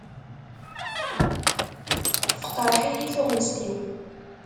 Teqreḥ-iyi tuɣmest-iw.